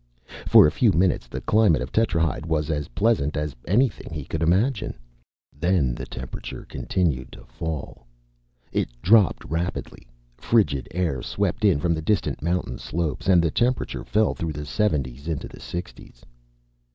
For a few minutes, the climate of Tetrahyde was as pleasant as anything he could imagine. Then the temperature continued to fall. It dropped rapidly. Frigid air swept in from the distant mountain slopes, and the temperature fell through the seventies into the sixties.